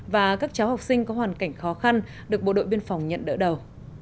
và các cháu học sinh có hoàn cảnh khó khăn được bộ đội biên phòng nhận đỡ đầu